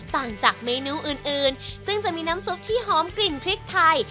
ต่างจากเมนูอื่นซึ่งจะมีน้ำซุปที่หอมกลิ่นพริกไทย